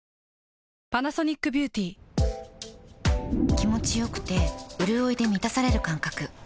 気持ちよくてうるおいで満たされる感覚